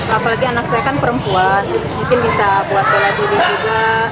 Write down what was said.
apalagi anak saya kan perempuan mungkin bisa buat bela diri juga